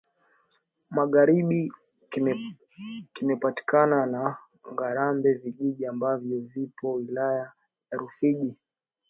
Magharibi kimepakana na Ngarambe vijiji ambavyo vipo Wilaya ya Rufiji